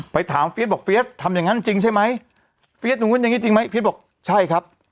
ไปถามเฟียสบอกเฟียสทำอย่างนั้นจริงใช่ไหมเฟียสอย่างนู้นอย่างนี้จริงไหมเฟียสบอกใช่ครับ